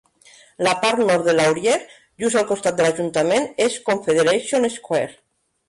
La part nord de Laurier, just al costat de l'ajuntament, és Confederation Square.